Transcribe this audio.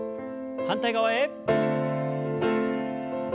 反対側へ。